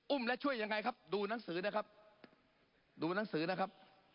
และช่วยยังไงครับดูหนังสือนะครับดูหนังสือนะครับ